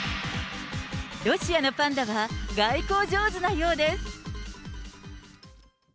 ロシアのパンダは、外交上手なようです。